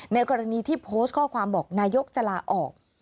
กรณีที่โพสต์ข้อความบอกนายกจะลาออก